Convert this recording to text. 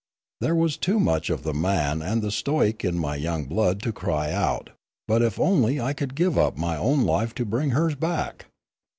There was too much of the man and the stoic in my young blood to cry out; but if only I could give up my own life to bring hers back